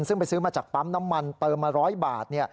ซึ่งไปซื้อมาจากปั๊มน้ำมันเติมมา๑๐๐บาท